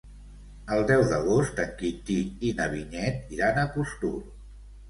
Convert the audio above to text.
El deu d'agost en Quintí i na Vinyet iran a Costur.